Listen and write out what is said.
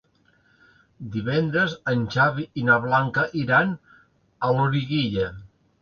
Divendres en Xavi i na Blanca iran a Loriguilla.